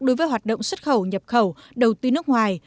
đối với hoạt động xuất khẩu nhập khẩu đầu tư nước ngoài